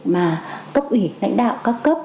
mà cấp ủy lãnh đạo các cấp